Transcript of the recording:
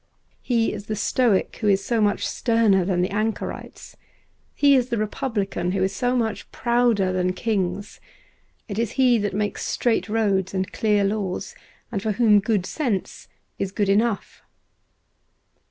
He is the Stoic who is so much sterner than the Ancorites. He is the Republican who is so much prouder than kings. It is he that makes straight roads and clear laws, and for whom good sense is good enough.